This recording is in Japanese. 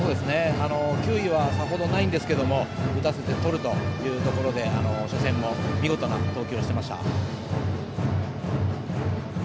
球威はさほどないんですけど打たせてとるというところで初戦も見事な投球をしていました。